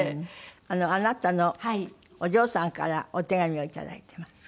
あなたのお嬢さんからお手紙を頂いています。